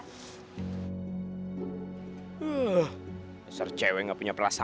user cewek gak punya perasaan